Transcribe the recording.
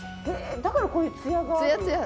だからこういうツヤがある。